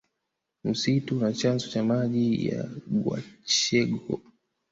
Msitu na chanzo cha maji ya kwachegho